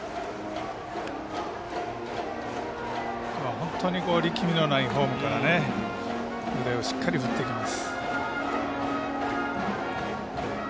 本当に力みのないフォームから腕をしっかり振っていきます。